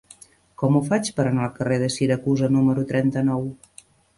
Com ho faig per anar al carrer de Siracusa número trenta-nou?